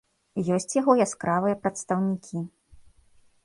Ёсць яго яскравыя прадстаўнікі.